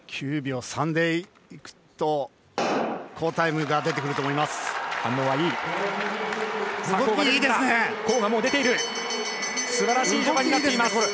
９秒３でいくと好タイムが出てくると思います。